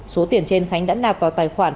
số tiền trên khánh đã nạp vào tài khoản